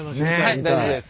大丈夫です。